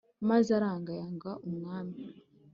maze aranga yanga umwami